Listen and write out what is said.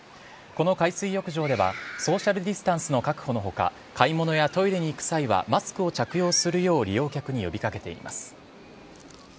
この海水浴場ではソーシャルディスタンスの確保のほか、買い物やトイレに行く際は、マスクを着用するよう利用客に呼びかけています。